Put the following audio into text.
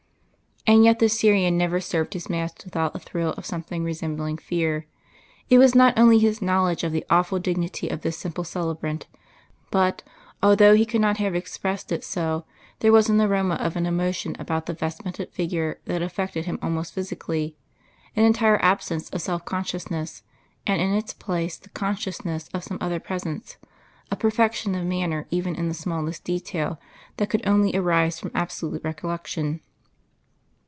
And yet this Syrian never served His mass without a thrill of something resembling fear; it was not only his knowledge of the awful dignity of this simple celebrant; but, although he could not have expressed it so, there was an aroma of an emotion about the vestmented figure that affected him almost physically an entire absence of self consciousness, and in its place the consciousness of some other Presence, a perfection of manner even in the smallest details that could only arise from absolute recollection.